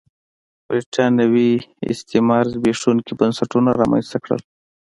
برېټانوي استعمار زبېښونکي بنسټونه رامنځته کړل.